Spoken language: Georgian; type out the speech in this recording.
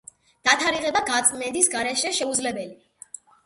დათარიღება გაწმენდის გარეშე შეუძლებელია.